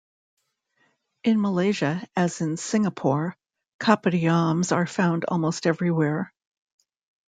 In Malaysia, as in Singapore, kopitiams are found almost everywhere.